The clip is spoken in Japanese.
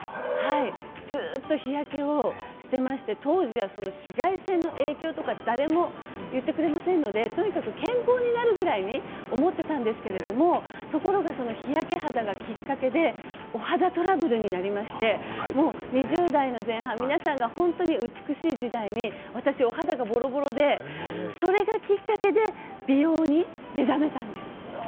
ずっと日焼けをしてまして、当時は紫外線の影響とか、誰も言ってくれませんので、とにかく健康になるくらいにと思ってたんですけど、ところが日焼け肌がきっかけでお肌トラブルになりまして、２０代の前半、皆さんが本当に美しい時代に、私、お肌がボロボロで、それがきっかけで美容に目覚めたんです。